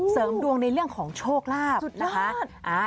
เสริมดวงในเรื่องของโชคลาภนะคะ